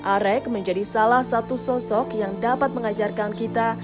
arek menjadi salah satu sosok yang dapat mengajarkan kita